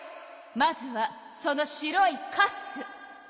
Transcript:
まずはその白いカス！